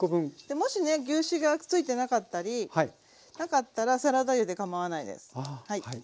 もしね牛脂がついてなかったりなかったらサラダ油でかまわないです。